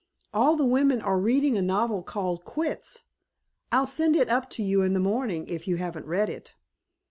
All the women are reading a novel called 'Quits.' I'll send it up to you in the morning if you haven't read it."